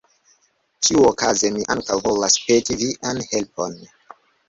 Ĉiuokaze mi ankaŭ volas peti vian helpon.